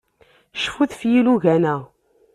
Cfut ɣef yilugan-a.